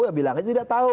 ya bilang aja tidak tahu